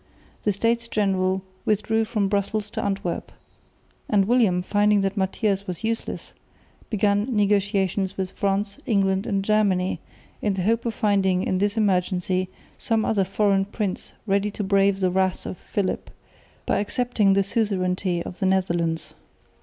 The States General withdrew from Brussels to Antwerp; and William, finding that Matthias was useless, began negotiations with France, England and Germany in the hope of finding in this emergency some other foreign prince ready to brave the wrath of Philip by accepting the suzerainty of the Netherlands.